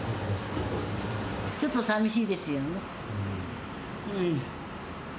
ちょっとさみしいですよね。